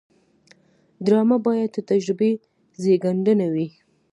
ډرامه باید د تجربې زیږنده وي